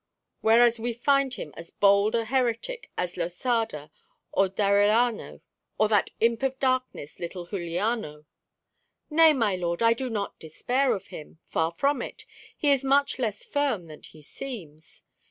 Whereas we find him as bold a heretic as Losada, or D'Arellano, or that imp of darkness, little Juliano." "Nay, my lord, I do not despair of him. Far from it. He is much less firm than he seems.